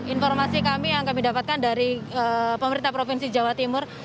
informasi kami yang kami dapatkan dari pemerintah provinsi jawa timur